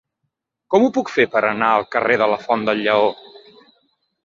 Com ho puc fer per anar al carrer de la Font del Lleó?